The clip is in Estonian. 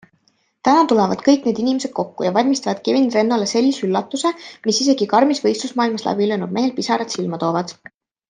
Täna tulevad kõik need inimesed kokku ja valmistavad Kevin Rennole sellise üllatuse, mis isegi karmis võistlusmaailmas läbi löönud mehel pisarad silma toovad.